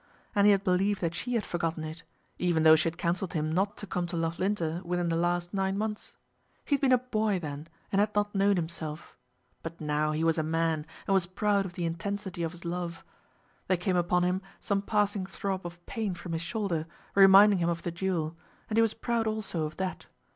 And he had believed that she had forgotten it, even though she had counselled him not to come to Loughlinter within the last nine months! He had been a boy then, and had not known himself; but now he was a man, and was proud of the intensity of his love. There came upon him some passing throb of pain from his shoulder, reminding him of the duel, and he was proud also of that.